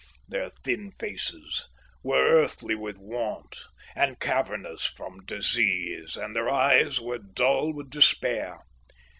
Their thin faces were earthy with want and cavernous from disease, and their eyes were dull with despair.